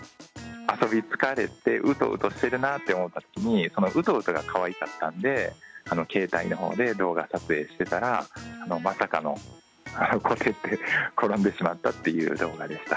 遊び疲れて、うとうとしてるなと思ったときに、そのうとうとがかわいかったんで、携帯のほうで動画撮影してたら、まさかの、こてんって転んでしまったっていう動画でした。